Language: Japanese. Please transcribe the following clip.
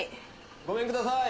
ごめんください。